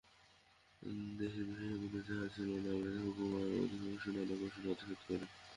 দেশে বিষয়সম্পত্তি যাহা ছিল নায়েব হরকুমার তাহার অধিকাংশ নানা কৌশলে আত্মসাৎ করিলেন।